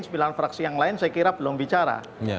sembilan fraksi yang lain saya kira belum bicara